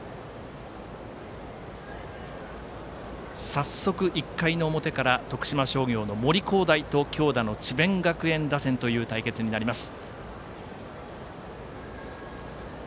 早速、１回の表から徳島商業の森煌誠と強打の智弁学園打線対決ということになります。